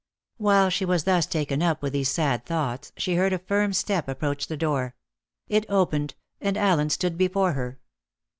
While she was thus taken up with these sad thoughts, she heard a firm step approach the door; it opened, and Allen stood before her.